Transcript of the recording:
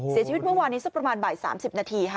เสียชีวิตเมื่อวานนี้สักประมาณบ่าย๓๐นาทีค่ะ